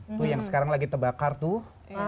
itu yang sekarang lagi terbakar tuh